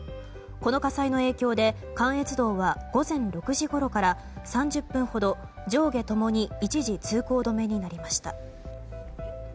この火災の影響で関越道は、午前６時ごろから３０分ほど上下ともに一時通行止めになりました。